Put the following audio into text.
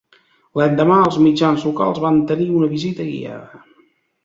L'endemà, els mitjans locals van tenir una visita guiada.